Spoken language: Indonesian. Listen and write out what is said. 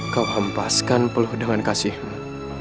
kau hempaskan peluh dengan kasihmu